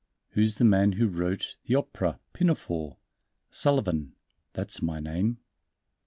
"Who's the man who wrote The opera, Pinafore?" "Sullivan!" "That's my name."